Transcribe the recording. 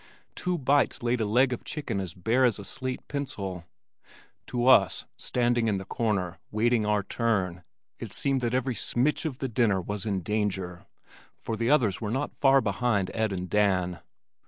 Two bites laid a leg of chicken as bare as a slate pencil. To us standing in the corner waiting our turn, it seemed that every "smitch" of the dinner was in danger, for the others were not far behind Ed and Dan.